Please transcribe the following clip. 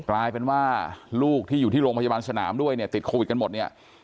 กลายเป็นว่าลูกที่อยู่ที่โรงพยาบาลสนามด้วยเนี่ยติดโควิดกันหมดเนี่ย